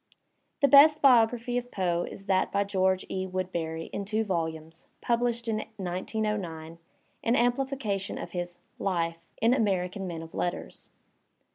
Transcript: The best biography of Poe is that by George E. Wood beny in two volumes, published in 1909, an amplification of his "life in American Men of Letters.